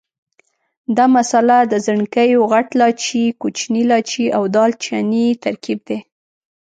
دا مساله د ځڼکیو، غټ لاچي، کوچني لاچي او دال چیني ترکیب دی.